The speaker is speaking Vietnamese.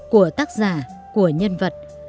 của tác giả của nhân vật